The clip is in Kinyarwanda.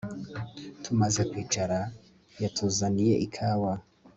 tumaze kwicara, yatuzaniye ikawa